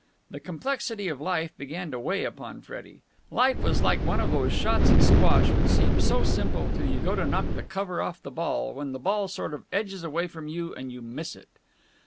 The complexity of life began to weigh upon Freddie. Life was like one of those shots at squash which seem so simple till you go to knock the cover off the ball, when the ball sort of edges away from you and you miss it.